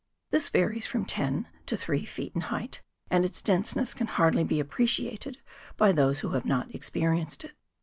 This varies from ten to three feet in height, and its denseness can hardly be appreciated by those who have not experienced it.